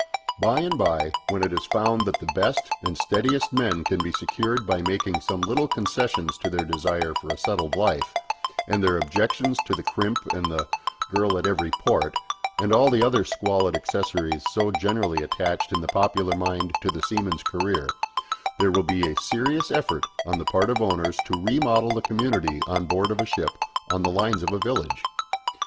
By and by, when it is found that the best and steadiest men can be secured by making some little concessions to their desire for a settled life and their objections to the crimp and the "girl at every port," and all the other squalid accessories so generally attached in the popular mind to the seaman's career, there will be a serious effort on the part of owners to remodel the community on board of a ship on the lines of a village.